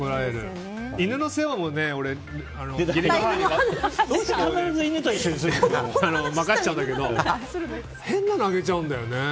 犬の世話も俺義理の母に任せちゃうんだけど変なのあげちゃうんだよね。